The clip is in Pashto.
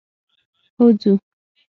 هو ځو.